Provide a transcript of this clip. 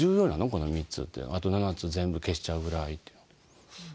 この３つって、あと７つ全部消しちゃうぐらいって。